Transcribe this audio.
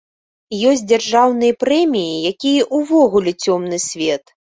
Ёсць дзяржаўныя прэміі, якія ўвогуле цёмны свет.